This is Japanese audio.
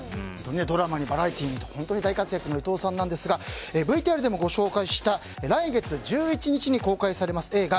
ドラマにバラエティーに大活躍の伊藤さんですがＶＴＲでもご紹介した来月１１日に公開されます